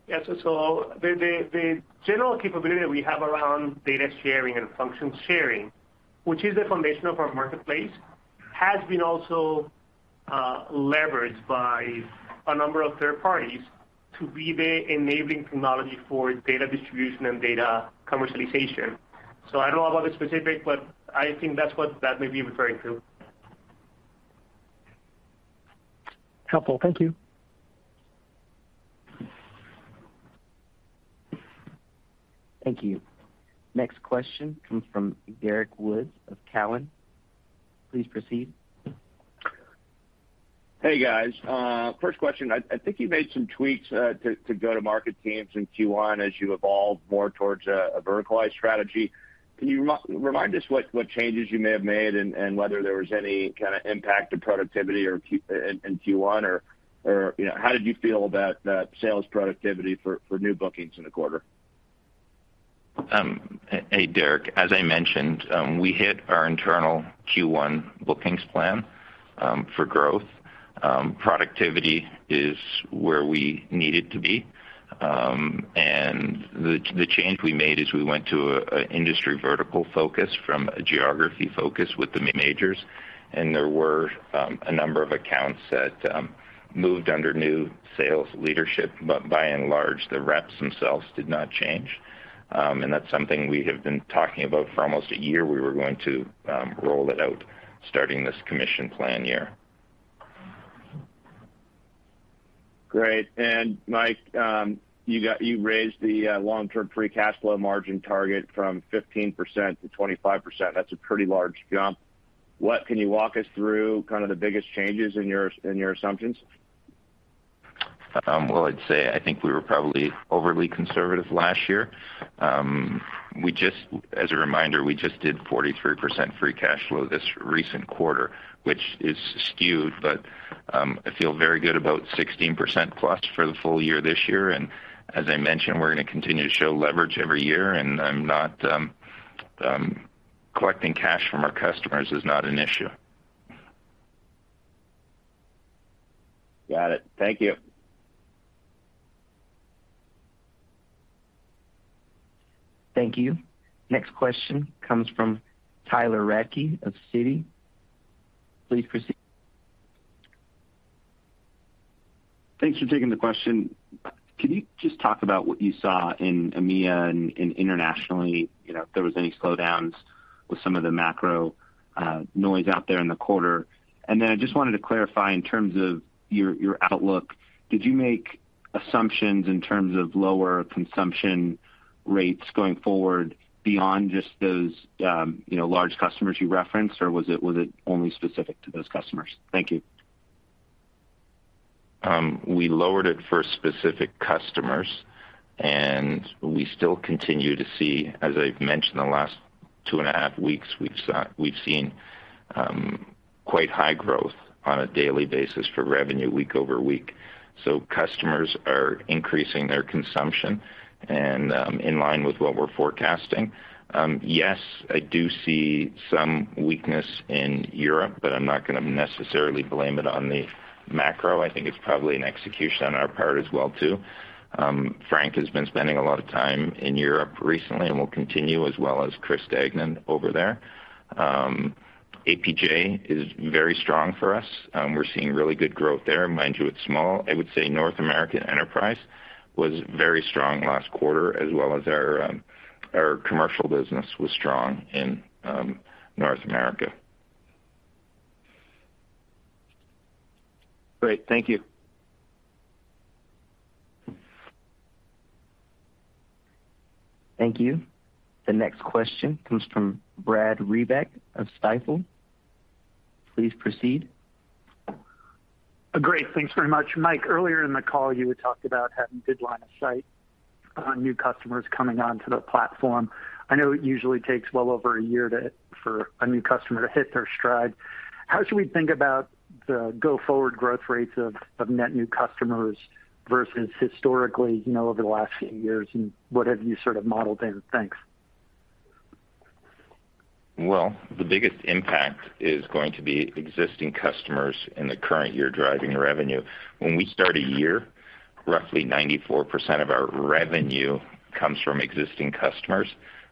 Yes. The general capability that we have around data sharing and function sharing, which is the foundation of our marketplace, has been also leveraged by a number of third parties to be the enabling technology for data distribution and data commercialization. I don't know about the specific, but I think that's what that may be referring to. Helpful. Thank you. Thank you. Next question comes from Derrick Wood of TD Cowen. Please proceed. Hey, guys. First question. I think you made some tweaks to go-to-market teams in Q1 as you evolved more towards a verticalized strategy. Can you remind us what changes you may have made and whether there was any kind of impact to productivity in Q1 or you know, how did you feel about that sales productivity for new bookings in the quarter? Hey, Derrick. As I mentioned, we hit our internal Q1 bookings plan for growth. Productivity is where we need it to be. The change we made is we went to a industry vertical focus from a geography focus with the majors. There were a number of accounts that moved under new sales leadership. By and large, the reps themselves did not change. That's something we have been talking about for almost a year. We were going to roll it out starting this commission plan year. Great. Mike, you raised the long-term free cash flow margin target from 15%-25%. That's a pretty large jump. Can you walk us through kind of the biggest changes in your assumptions? Well, I'd say I think we were probably overly conservative last year. As a reminder, we just did 43% free cash flow this recent quarter, which is skewed, but I feel very good about 16%+ for the full year this year. As I mentioned, we're gonna continue to show leverage every year. Collecting cash from our customers is not an issue. Got it. Thank you. Thank you. Next question comes from Tyler Radke of Citi. Please proceed. Thanks for taking the question. Can you just talk about what you saw in EMEA and internationally, you know, if there was any slowdowns with some of the macro noise out there in the quarter? And then I just wanted to clarify in terms of your outlook, did you make assumptions in terms of lower consumption rates going forward beyond just those, you know, large customers you referenced, or was it only specific to those customers? Thank you. We lowered it for specific customers, and we still continue to see, as I've mentioned the last two and a half weeks, we've seen quite high growth on a daily basis for revenue week over week. So customers are increasing their consumption and in line with what we're forecasting. Yes, I do see some weakness in Europe, but I'm not gonna necessarily blame it on the macro. I think it's probably an execution on our part as well too. Frank has been spending a lot of time in Europe recently, and we'll continue, as well as Chris Degnan over there. APJ is very strong for us. We're seeing really good growth there. Mind you, it's small. I would say North American enterprise was very strong last quarter, as well as our commercial business was strong in North America. Great. Thank you. Thank you. The next question comes from Brad Reback of Stifel. Please proceed. Great. Thanks very much. Mike, earlier in the call, you had talked about having good line of sight on new customers coming onto the platform. I know it usually takes well over a year for a new customer to hit their stride. How should we think about the go-forward growth rates of net new customers versus historically, you know, over the last few years, and what have you sort of modeled in? Thanks. Well, the biggest impact is going to be existing customers in the current year driving the revenue. When we start a year, roughly 94% of our revenue comes from existing customers.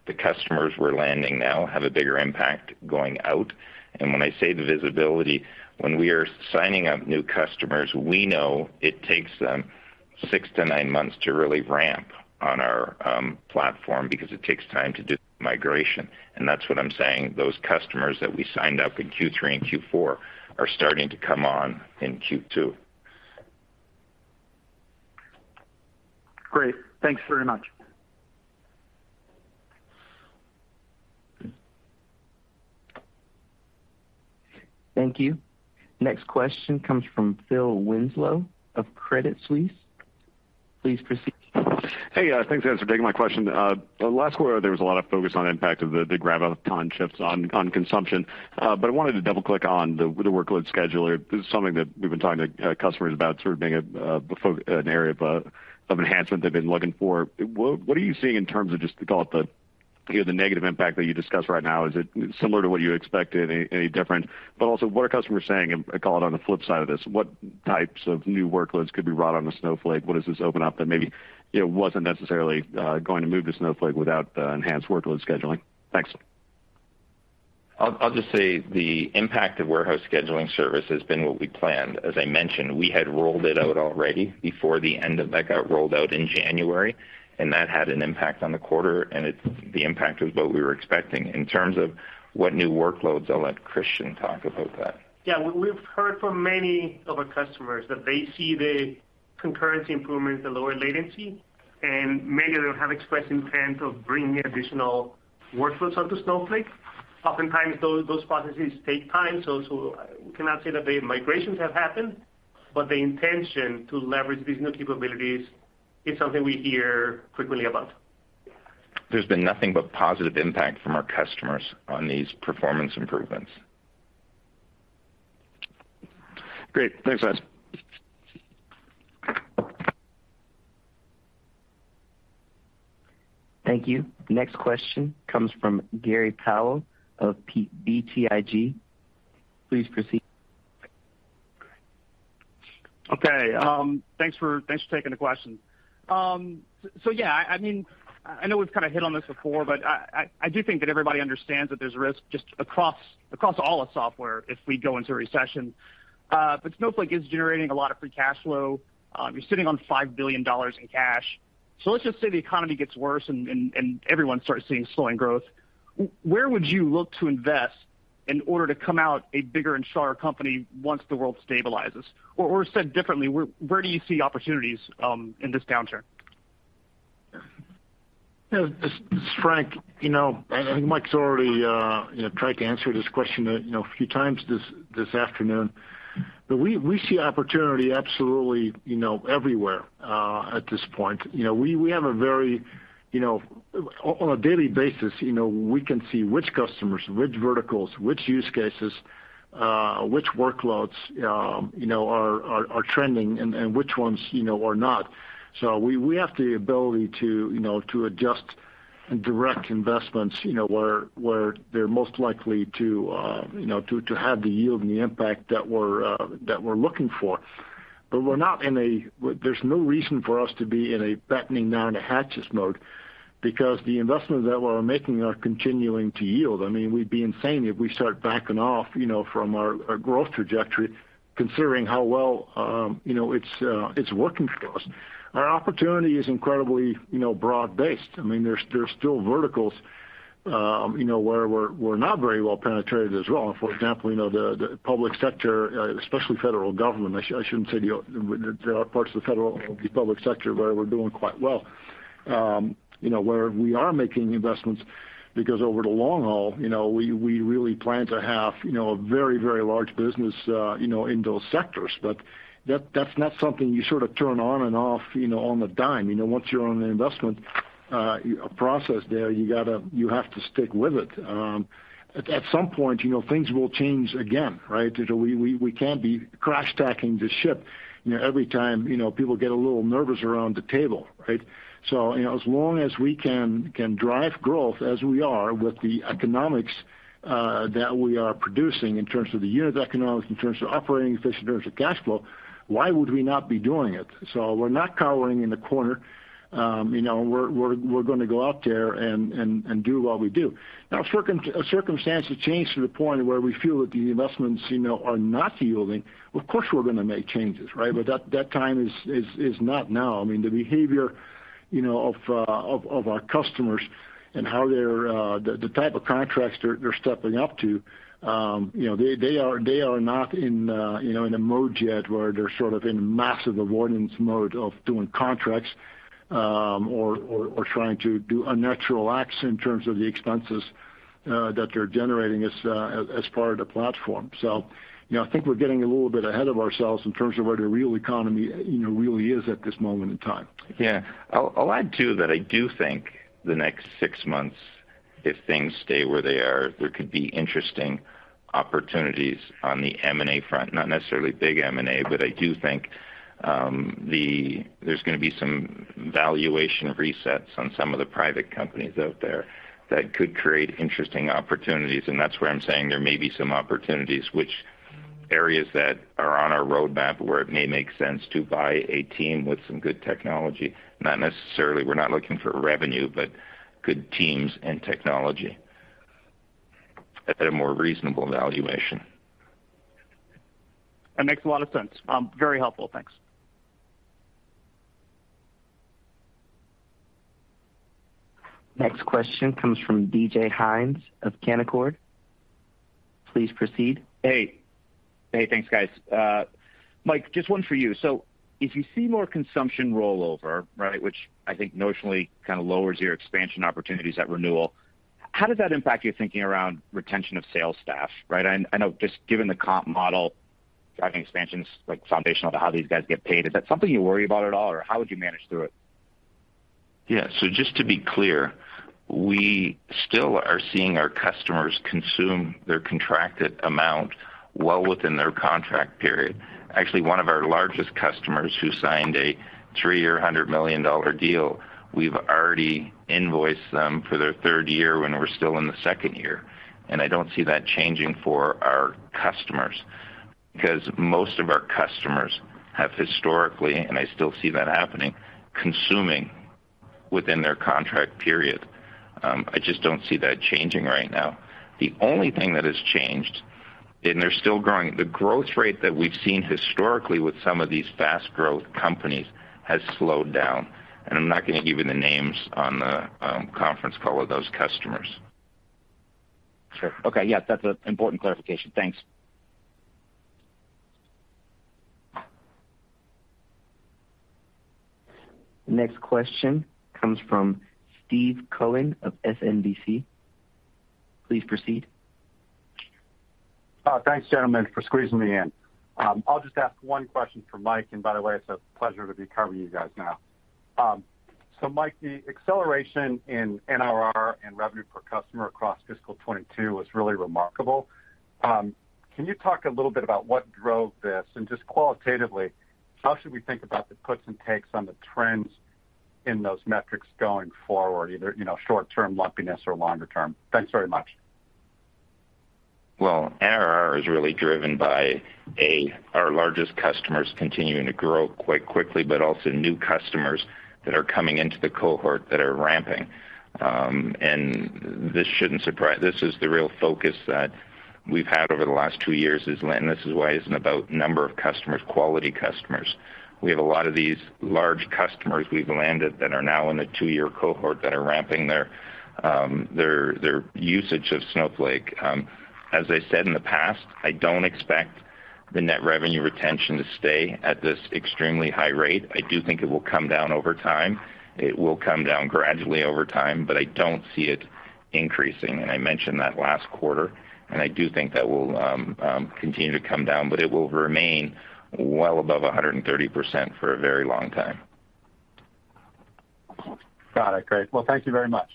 The customers we're landing now have a bigger impact going out. When I say the visibility, when we are signing up new customers, we know it takes them six to nine months to really ramp on our platform because it takes time to do migration. That's what I'm saying. Those customers that we signed up in Q3 and Q4 are starting to come on in Q2. Great. Thanks very much. Thank you. Next question comes from Philip Winslow of Credit Suisse. Please proceed. Hey, thanks for taking my question. Last quarter, there was a lot of focus on impact of the Graviton shifts on consumption. But I wanted to double-click on the workload scheduler. This is something that we've been talking to customers about sort of being an area of enhancement they've been looking for. What are you seeing in terms of just, call it the, you know, the negative impact that you discussed right now? Is it similar to what you expected, any different? But also, what are customers saying, I call it on the flip side of this, what types of new workloads could be brought onto Snowflake? What does this open up that maybe, you know, wasn't necessarily going to move to Snowflake without the enhanced workload scheduling? Thanks. I'll just say the impact of warehouse scheduling service has been what we planned. As I mentioned, we had rolled it out already before the end of that got rolled out in January, and that had an impact on the quarter, and the impact was what we were expecting. In terms of what new workloads, I'll let Christian talk about that. Yeah. We've heard from many of our customers that they see the concurrency improvement, the lower latency, and many of them have expressed intent of bringing additional workloads onto Snowflake. Oftentimes, those processes take time, so we cannot say that the migrations have happened, but the intention to leverage these new capabilities is something we hear frequently about. There's been nothing but positive impact from our customers on these performance improvements. Great. Thanks, guys. Thank you. Next question comes from Gray Powell of BTIG. Please proceed. Okay, thanks for taking the question. So yeah, I mean, I know we've kind of hit on this before, but I do think that everybody understands that there's risk just across all of software if we go into a recession. But Snowflake is generating a lot of free cash flow. You're sitting on $5 billion in cash. Let's just say the economy gets worse and everyone starts seeing slowing growth. Where would you look to invest in order to come out a bigger and stronger company once the world stabilizes? Or said differently, where do you see opportunities in this downturn? You know, this is Frank. You know, I think Mike's already you know tried to answer this question you know a few times this afternoon. We see opportunity absolutely you know everywhere at this point. You know, we have on a daily basis you know we can see which customers, which verticals, which use cases, which workloads you know are trending and which ones you know are not. We have the ability to you know to adjust and direct investments you know where they're most likely to you know to have the yield and the impact that we're looking for. We're not in a battening down the hatches mode because the investments that we're making are continuing to yield. I mean, we'd be insane if we start backing off, you know, from our growth trajectory considering how well, you know, it's working for us. Our opportunity is incredibly, you know, broad-based. I mean, there's still verticals, you know, where we're not very well penetrated as well. For example, you know, the public sector, especially federal government. I shouldn't say the. There are parts of the federal public sector where we're doing quite well, you know, where we are making investments because over the long haul, you know, we really plan to have, you know, a very, very large business, you know, in those sectors. That, that's not something you sort of turn on and off, you know, on a dime. You know, once you're on an investment A process there, you have to stick with it. At some point, you know, things will change again, right? You know, we can't be crash tacking the ship, you know, every time, you know, people get a little nervous around the table, right? You know, as long as we can drive growth as we are with the economics that we are producing in terms of the unit economics, in terms of operating efficiency, in terms of cash flow, why would we not be doing it? We're not cowering in the corner. You know, we're gonna go out there and do what we do. Circumstances change to the point where we feel that the investments, you know, are not yielding, of course, we're gonna make changes, right? That time is not now. I mean, the behavior, you know, of our customers and how they're the type of contracts they're stepping up to, you know, they are not in, you know, in a mode yet where they're sort of in massive avoidance mode of doing contracts, or trying to do unnatural acts in terms of the expenses that they're generating as part of the platform. You know, I think we're getting a little bit ahead of ourselves in terms of where the real economy, you know, really is at this moment in time. Yeah. I'll add too that I do think the next six months, if things stay where they are, there could be interesting opportunities on the M&A front. Not necessarily big M&A, but I do think there's gonna be some valuation resets on some of the private companies out there that could create interesting opportunities. That's where I'm saying there may be some opportunities which areas that are on our roadmap where it may make sense to buy a team with some good technology. Not necessarily, we're not looking for revenue, but good teams and technology at a more reasonable valuation. That makes a lot of sense. Very helpful. Thanks. Next question comes from DJ Hynes of Canaccord. Please proceed. Hey. Hey. Thanks, guys. Mike, just one for you. If you see more consumption rollover, right, which I think notionally kind of lowers your expansion opportunities at renewal, how does that impact your thinking around retention of sales staff, right? I know just given the comp model, driving expansions, like foundational to how these guys get paid, is that something you worry about at all, or how would you manage through it? Yeah. Just to be clear, we still are seeing our customers consume their contracted amount well within their contract period. Actually, one of our largest customers who signed a three-year $100 million deal, we've already invoiced them for their third year when we're still in the second year. I don't see that changing for our customers, because most of our customers have historically, and I still see that happening, consuming within their contract period. I just don't see that changing right now. The only thing that has changed, and they're still growing, the growth rate that we've seen historically with some of these fast growth companies has slowed down. I'm not gonna give you the names on the conference call of those customers. Sure. Okay. Yeah, that's an important clarification. Thanks. Next question comes from Steve Koenig of SMBC. Please proceed. Thanks, gentlemen, for squeezing me in. I'll just ask one question for Mike. By the way, it's a pleasure to be covering you guys now. Mike, the acceleration in NRR and revenue per customer across fiscal 2022 was really remarkable. Can you talk a little bit about what drove this? Just qualitatively, how should we think about the puts and takes on the trends in those metrics going forward, either, you know, short-term lumpiness or longer term? Thanks very much. Well, NRR is really driven by, A, our largest customers continuing to grow quite quickly, but also new customers that are coming into the cohort that are ramping. This shouldn't surprise. This is the real focus that we've had over the last two years, is when this is why it isn't about number of customers, quality customers. We have a lot of these large customers we've landed that are now in a two-year cohort that are ramping their usage of Snowflake. As I said in the past, I don't expect the net revenue retention to stay at this extremely high rate. I do think it will come down over time. It will come down gradually over time, but I don't see it increasing, and I mentioned that last quarter. I do think that will continue to come down, but it will remain well above 130% for a very long time. Got it. Great. Well, thank you very much.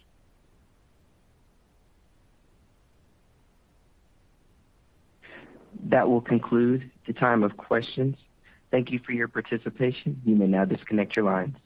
That will conclude the time of questions. Thank you for your participation. You may now disconnect your lines.